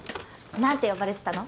何て呼ばれてたの？